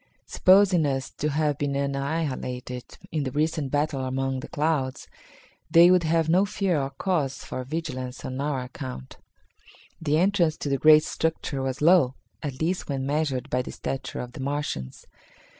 Supposing us to have been annihilated in the recent battle among the clouds, they would have no fear or cause for vigilance on our account. The entrance to the great structure was low at least, when measured by the stature of the Martians.